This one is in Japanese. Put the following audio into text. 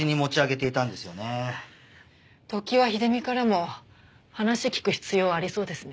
常盤秀美からも話聞く必要ありそうですね。